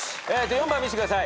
４番見してください。